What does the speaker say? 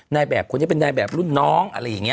นายแบบคนนี้เป็นนายแบบรุ่นน้องอะไรอย่างนี้